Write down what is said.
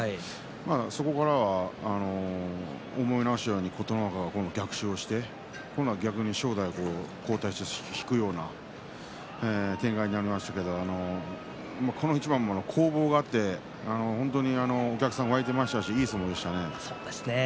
そこからは思い直したように琴ノ若が逆襲して正代が後退して引くような展開になりましたけどこの一番も攻防があって本当にお客さんが沸いていましたしいい相撲でしたね。